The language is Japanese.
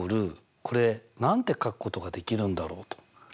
これ何て書くことができるんだろうと。